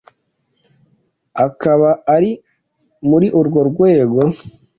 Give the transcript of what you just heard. akaba ari muri urwo rwego